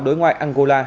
đối ngoại angola